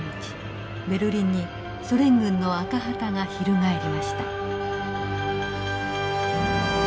ベルリンにソ連軍の赤旗が翻りました。